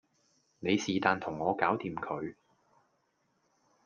你是旦同我搞掂佢